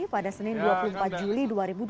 pada senin dua puluh empat juli dua ribu dua puluh